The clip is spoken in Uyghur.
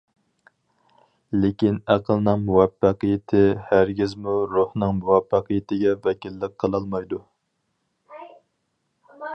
لېكىن ئەقىلنىڭ مۇۋەپپەقىيىتى ھەرگىزمۇ روھنىڭ مۇۋەپپەقىيىتىگە ۋەكىللىك قىلالمايدۇ.